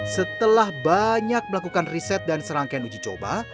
setelah banyak melakukan riset dan serangkaian uji coba